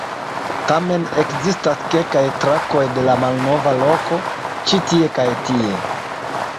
Tamen ekzistas kelkaj trakoj de la malnova loko, ĉi tie kaj tie.